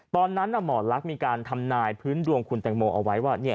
ตอนนั้นหมอลักษณ์มีการทำนายพื้นดวงคุณแตงโมเอาไว้ว่า